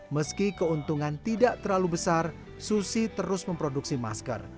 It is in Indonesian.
meski keuntungan tidak terlalu besar susi terus memproduksi masker